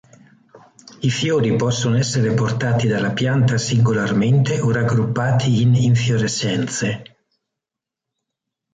I fiori possono essere portati dalla pianta singolarmente o raggruppati in infiorescenze.